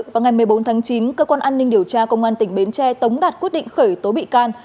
vào ngày một mươi bốn tháng chín cơ quan an ninh điều tra công an tỉnh bến tre tống đạt quyết định khởi tố bị can